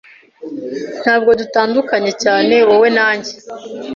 Ntabwo dutandukanye cyane, wowe na njye